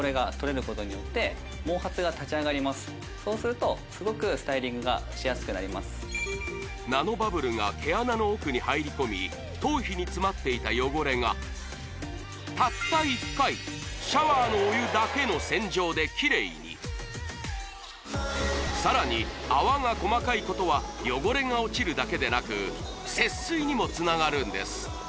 さらにそうするとすごくスタイリングがしやすくなりますナノバブルが毛穴の奥に入り込み頭皮に詰まっていた汚れがたった１回シャワーのお湯だけの洗浄で綺麗にさらに泡が細かいことは汚れが落ちるだけでなく節水にもつながるんです